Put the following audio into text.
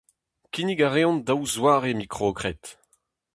Kinnig a reont daou zoare mikrokred.